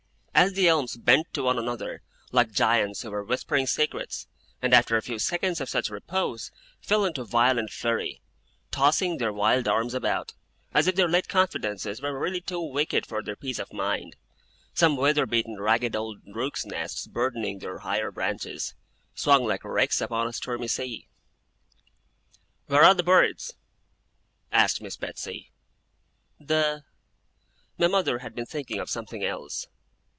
As the elms bent to one another, like giants who were whispering secrets, and after a few seconds of such repose, fell into a violent flurry, tossing their wild arms about, as if their late confidences were really too wicked for their peace of mind, some weatherbeaten ragged old rooks' nests, burdening their higher branches, swung like wrecks upon a stormy sea. 'Where are the birds?' asked Miss Betsey. 'The ?' My mother had been thinking of something else.